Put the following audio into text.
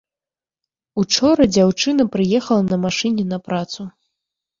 Учора дзяўчына прыехала на машыне на працу.